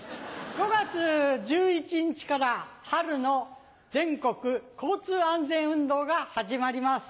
５月１１日から春の全国交通安全運動が始まります。